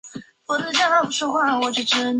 它起源于可计算函数和图灵度的研究。